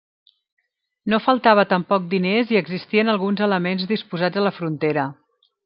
No faltava tampoc diners i existien alguns elements disposats a la frontera.